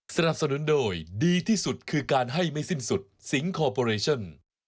สนับสนุนโดยดีที่สุดคือการให้ไม่สิ้นสุดสิงคอร์ปอเรชั่น